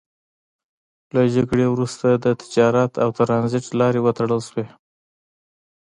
له جګړو وروسته د تجارت او ترانزیت لارې وتړل شوې.